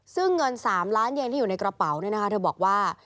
ซึ่งเงิน๓ล้านเย็นที่อยู่ในกระเป๋าเนี่ยนะคะเธอบอกว่า